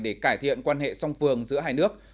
để cải thiện quan hệ song phường giữa hai nước